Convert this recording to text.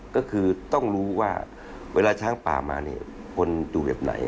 ก็คือต้องรู้ว่าเวลาช้างป่ามาเนี่ยคนอยู่แบบไหน